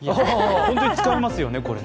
本当に使えますよね、これ。